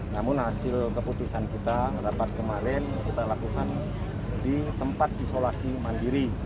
namun hasil keputusan kita rapat kemarin kita lakukan di tempat isolasi mandiri